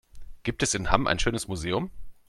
Gibt es in Hamm ein schönes Museum?